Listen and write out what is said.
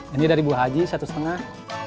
ini dari buah haji satu setengah